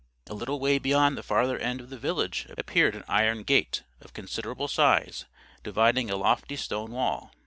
A little way beyond the farther end of the village appeared an iron gate, of considerable size, dividing a lofty stone wall.